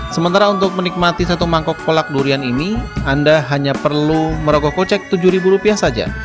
sementara untuk menikmati satu mangkok kolak durian ini anda hanya perlu merokok kocek tujuh ribu rupiah saja